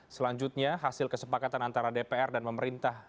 selanjutnya hasil kesepakatan antara dpr dan pemerintah